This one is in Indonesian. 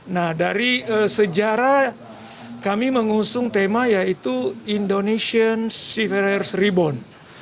nah dari sejarah kami mengusung tema yaitu indonesian seaveriers rebound